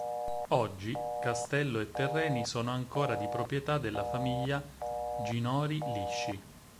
Oggi, castello e terreni, sono ancora di proprietà della famiglia Ginori-Lisci.